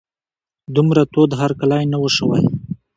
دومره تود هرکلی نه و شوی.